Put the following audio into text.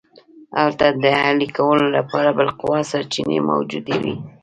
هلته د اهلي کولو لپاره بالقوه سرچینې موجودې وې